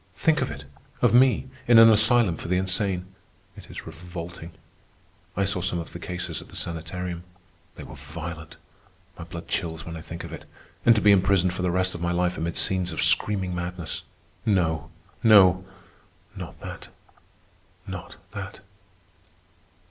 Think of it! Of me—in an asylum for the insane! It is revolting. I saw some of the cases at the sanitarium. They were violent. My blood chills when I think of it. And to be imprisoned for the rest of my life amid scenes of screaming madness! No! no! Not that! Not that!"